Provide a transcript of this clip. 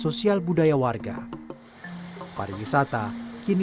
pembangunan museum sangiran dan tiga museum pendukung di sekitarnya